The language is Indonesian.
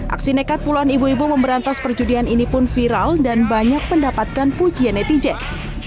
aksi nekat puluhan ibu ibu memberantas perjudian ini pun viral dan banyak mendapatkan pujian netizen